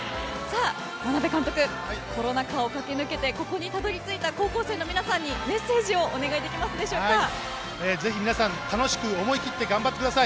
眞鍋監督コロナ禍を駆け抜けてここにたどり着いた高校生の皆さんにメッセージをぜひ皆さん楽しく思い切って頑張ってください。